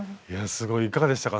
すごいいかがでしたか？